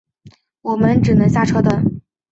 我们只能下车等